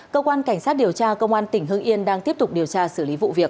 cơ quan cảnh sát điều tra công an tỉnh hưng yên đang tiếp tục điều tra xử lý vụ việc